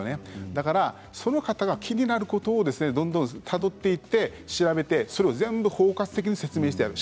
だから、その方が気になることをどんどんたどっていって調べてそれを全部包括的に説明する。